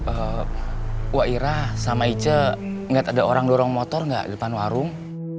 eh wak ira sama ica ngeliat ada orang dorong motor ga di depan warung